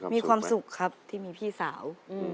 มีความสุขครับที่มีพี่สาว